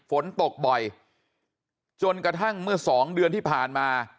ฝนตกบ่อยจนกระทั่งเมื่อสองเดือนที่ผ่านมา